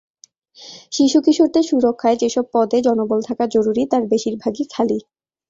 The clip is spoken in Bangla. শিশু-কিশোরদের সুরক্ষায় যেসব পদে জনবল থাকা জরুরি তার বেশির ভাগই খালি।